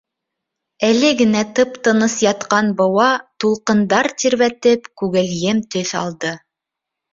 Әле генә тып-тыныс ятҡан быуа, тулҡындар тирбәтеп, күгелйем төҫ алды.